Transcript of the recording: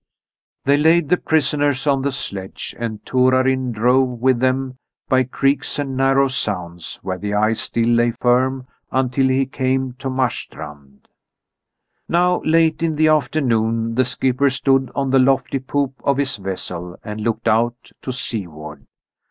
They laid the prisoners on the sledge, and Torarin drove with them by creeks and narrow sounds where the ice still lay firm, until he came to Marstrand. Now late in the afternoon the skipper stood on the lofty poop of his vessel and looked out to seaward.